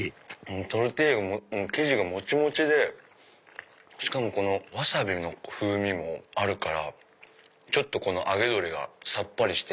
トルティーヤ生地がもちもちでしかもワサビの風味もあるからこの揚げ鶏がさっぱりして。